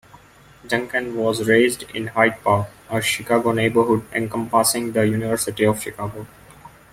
Duncan was raised in Hyde Park, a Chicago neighborhood encompassing the University of Chicago.